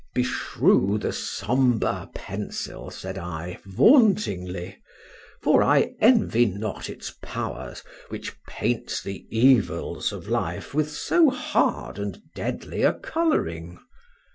—Beshrew the sombre pencil! said I, vauntingly—for I envy not its powers, which paints the evils of life with so hard and deadly a colouring.